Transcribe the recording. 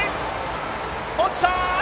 落ちた！